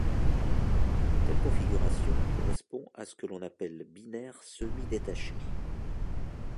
Une telle configuration correspond à ce que l'on appelle binaire semi-détachée.